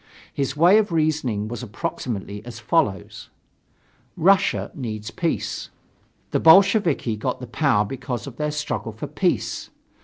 His way of reasoning was approximately as follows: Russia needs peace. The Bolsheviki got the power because of their struggle for peace.